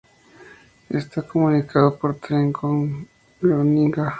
Está comunicado por tren con Groninga.